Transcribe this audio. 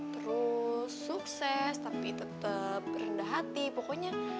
terus sukses tapi tetap rendah hati pokoknya